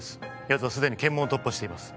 やつはすでに検問を突破しています